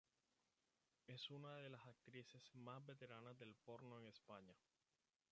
Es una de las actrices más veteranas del porno en España.